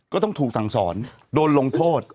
ก็ต้องถูกสั่งสอนโดนลงโทษ